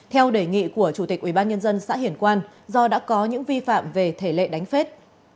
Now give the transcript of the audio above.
theo đề nghị của chủ tịch ubnd xã hiển quan do đã có những vi phạm về thể lệ đánh phết